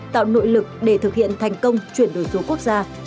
tạo nội lực để thực hiện thành công chuyển đổi số quốc gia